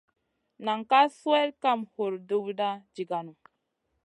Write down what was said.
Nan ka swel kam hurduwda jiganou.